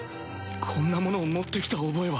こんなものを持ってきた覚えは